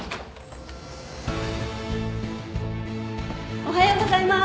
・おはようございます。